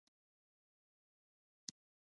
اجرائیه قوه څه دنده لري؟